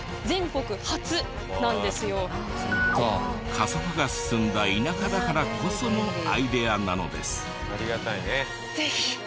過疎化が進んだ田舎だからこそのアイデアなのです。